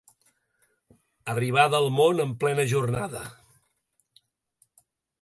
Arribada al món en plena jornada.